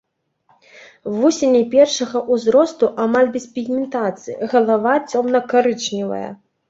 Вусені першага ўзросту амаль без пігментацыі, галава цёмна-карычневая.